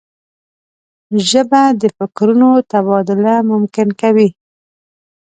ژبه د فکرونو تبادله ممکن کوي